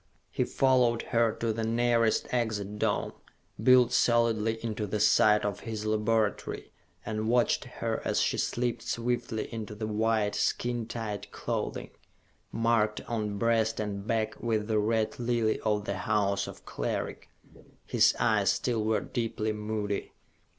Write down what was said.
He followed her to the nearest Exit Dome, built solidly into the side of his laboratory, and watched her as she slipped swiftly into the white, skin tight clothing marked on breast and back with the Red Lily of the House of Cleric. His eyes still were deeply moody.